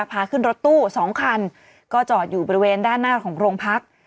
พาขึ้นรถตู้๒คันก็จอดอยู่บริเวณด้านหน้าของโรงพัก